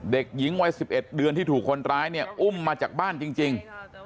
เด็กหญิงวัย๑๑เดือนที่ถูกคนร้ายเนี่ยอุ้มมาจากบ้านจริง